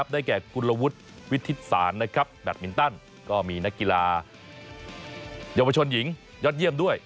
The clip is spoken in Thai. ได้แก่กุลวุฒิวิทิศศาลแบตมินตันก็มีนักกีฬาเยาวชนหญิงยอดเยี่ยมด้วย